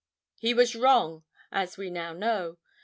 He was wrong, as we now know.